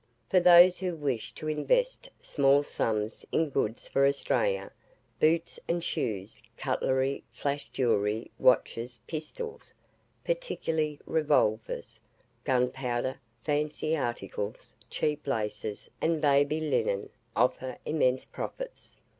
For those who wish to invest small sums in goods for Australia, boots and shoes, cutlery, flash jewellery, watches, pistols (particularly revolvers), gunpowder, fancy articles, cheap laces, and baby linen offer immense profits.